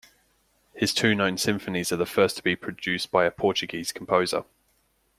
His two known symphonies are the first to be produced by a Portuguese composer.